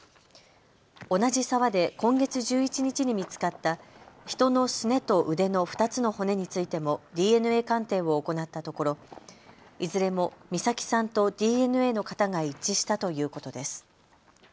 同じ沢で今月１１日に見つかった人のすねと腕の２つの骨についてもＤＮＡ鑑定を行ったところいずれも美咲さんとＤＮＡの型が一致したということです。